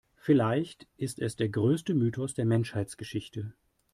Vielleicht ist es der größte Mythos der Menschheitsgeschichte.